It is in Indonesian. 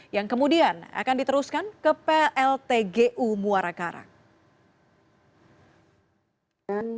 yang kemudian akan diteruskan ke pltgu muara karang